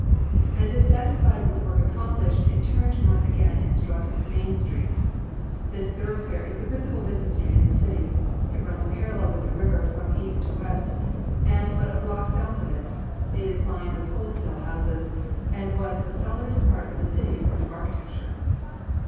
"As if satisfied with the work accomplished, it turned north again and struck Main street. This thoroughfare is the principal business street in the city. It runs parallel with the river from east to west, and but a block south of it. It is lined with wholesale houses, and was the solidest part of the city in point of architecture.